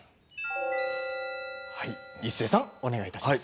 一生さんお願いします。